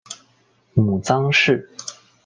母臧氏。